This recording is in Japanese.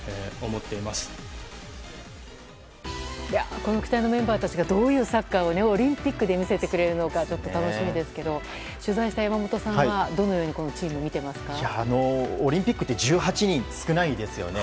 この期待のメンバーたちがどういうサッカーをオリンピックで見せてくれるのか楽しみですけど取材した山本さんはどのようにこのチームをオリンピックって、１８人と少ないですよね。